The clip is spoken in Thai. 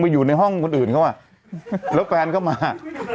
แล้วตอนอยู่ในห้องคนอื่นเขาแล้วแฟนเข้ามา